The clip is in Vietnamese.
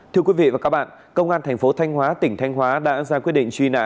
thưa quý vị và các bạn công an thành phố thanh hóa tỉnh thanh hóa đã ra quyết định truy nã